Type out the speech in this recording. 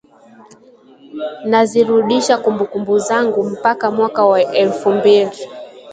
Nazirudisha kumbukumbu zangu mpaka mwaka wa elfu mbili